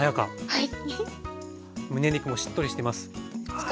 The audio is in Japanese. はい。